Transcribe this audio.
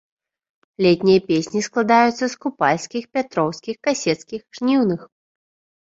Летнія песні складаюцца з купальскіх, пятроўскіх, касецкіх, жніўных.